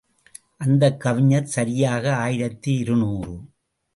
அந்தக் கவிஞர் சரியாக ஆயிரத்து இருநூறு.